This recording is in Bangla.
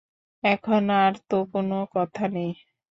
এখন আর তো কোনো কথা নেই।